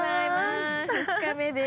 ◆２日目でーす。